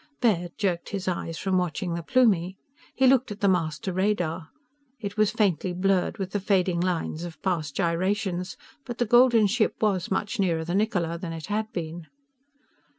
_" Baird jerked his eyes from watching the Plumie. He looked at the master radar. It was faintly blurred with the fading lines of past gyrations, but the golden ship was much nearer the Niccola than it had been.